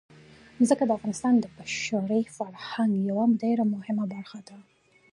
ځمکه د افغانستان د بشري فرهنګ یوه ډېره مهمه برخه ده.